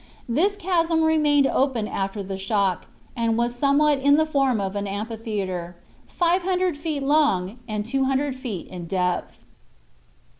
This chasm remained open after the shock, and was somewhat in the form of an amphitheatre, 500 feet long and 200 feet in depth.